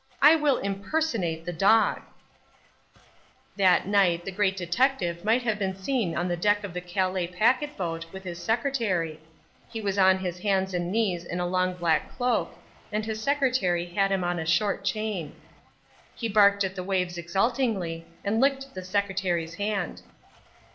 I WILL IMPERSONATE THE DOG_!!!_" That night the Great Detective might have been seen on the deck of the Calais packet boat with his secretary. He was on his hands and knees in a long black cloak, and his secretary had him on a short chain. He barked at the waves exultingly and licked the secretary's hand.